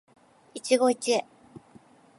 一期一会